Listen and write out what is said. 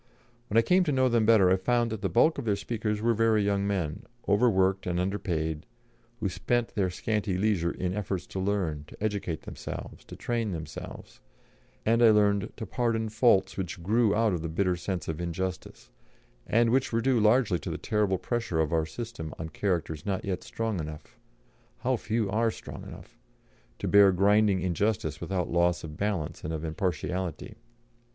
When I came to know them better, I found that the bulk of their speakers were very young men, overworked and underpaid, who spent their scanty leisure in efforts to learn, to educate themselves, to train themselves, and I learned to pardon faults which grew out of the bitter sense of injustice, and which were due largely to the terrible pressure of our system on characters not yet strong enough how few are strong enough! to bear grinding injustice without loss of balance and of impartiality.